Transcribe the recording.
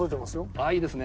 ああいいですね。